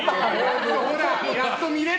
ほら！やっと見れる。